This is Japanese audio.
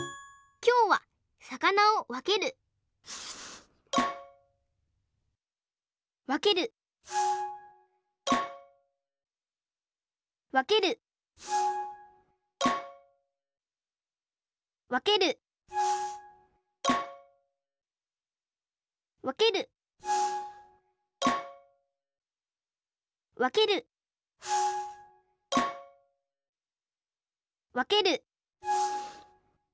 きょうはさかなをわけるわけるわけるわけるわけるわけるわける